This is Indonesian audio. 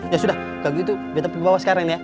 ya sudah kalau gitu biar tapi bawa sekarang ya